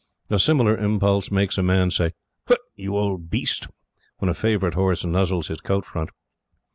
A similar impulse make's a man say: "Hutt, you old beast!" when a favorite horse nuzzles his coat front.